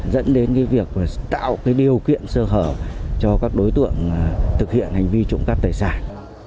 dẫn đến việc tạo cái điều kiện sơ hở cho các đối tượng thực hiện hành vi trộm cắp tài sản